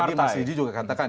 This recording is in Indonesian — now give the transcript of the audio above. seperti mas nidji juga katakan